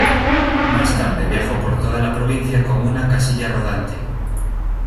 Más tarde viajó por toda la provincia con una casilla rodante.